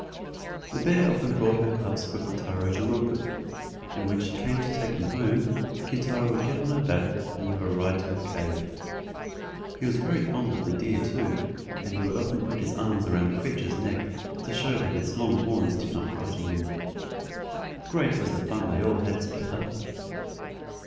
The bear often brought her cubs for Kintaro to romp with, and when she came to take them home Kintaro would get on her back and have a ride to her cave. He was very fond of the deer too, and would often put his arms round the creature's neck to show that its long horns did not frighten him. Great was the fun they all had together.